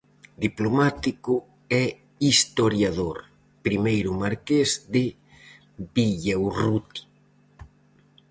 Diplomático e historiador, primeiro marqués de Villaurrutia.